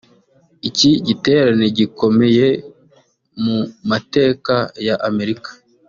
Iki giterane gikomeye mu mateka ya Amerika